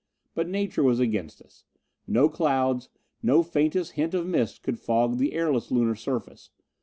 But nature was against us. No clouds, no faintest hint of mist could fog the airless Lunar surface.